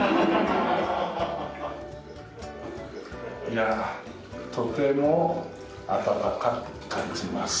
いやあとても温かく感じます。